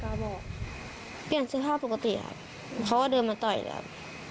กล้าบอกเปี้ยนเสื้อภาพปกติครับเขาก็เดินมาต่ออยู่แล้ว